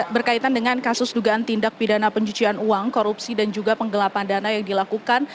berkaitan dengan kasus dugaan tindak pidana pencucian uang korupsi dan juga penggelapan dana yang dilakukan